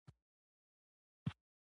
دا رښتيا ده، چې اغزي يو، دروغ دا چې